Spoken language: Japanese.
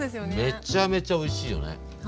めっちゃめちゃおいしいよね。